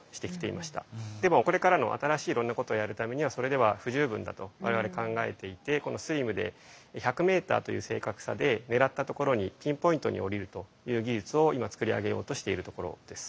でもこれからの新しいいろんなことをやるためにはそれでは不十分だと我々考えていてこのＳＬＩＭで１００メーターという正確さで狙ったところにピンポイントに降りるという技術を今作り上げようとしているところです。